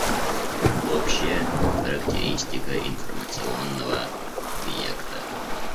Общая характеристика информационного объекта.